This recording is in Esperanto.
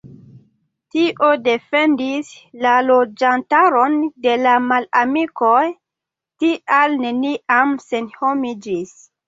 Tio defendis la loĝantaron de la malamikoj, tial neniam senhomiĝis.